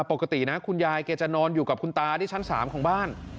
ปกตินะคุณยายแกจะนอนอยู่กับคุณตาที่ชั้น๓ของบ้าน